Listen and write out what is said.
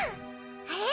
あれ？